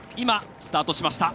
スタートしました。